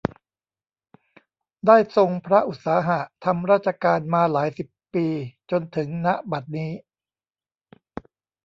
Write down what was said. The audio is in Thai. ได้ทรงพระอุตสาหะทำราชการมาหลายสิบปีจนถึง ณ บัดนี้